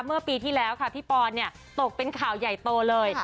เมื่อปีที่แล้วค่ะพี่ปอนตกเป็นข่าวใหญ่โตเลย